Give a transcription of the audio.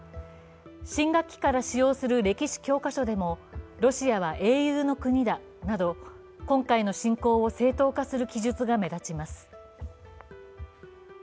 新学期から使用する歴史教科書でも「ロシアは英雄の国だ」など今回の侵攻を正当化する記述が目立ちます。